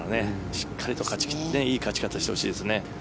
しっかりと勝ち切っていい勝ち方をしてほしいですね。